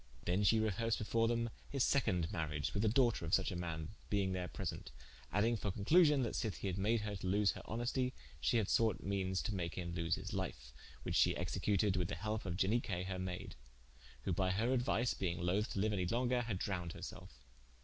Then she rehersed before them his seconde mariage with the doughter of such a man, being there present, adding for conclusion, that sith he had made her to lose her honestie, shee had sought meanes to make him to loose his life: which she executed with the helpe of Ianique her mayde: who by her aduise being loth to liue any longer, had drowned her selfe.